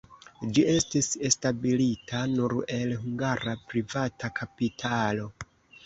Ĝi estis establita nur el hungara privata kapitalo.